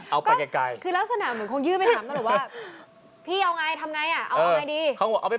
เอาไปเลยเอาออกไป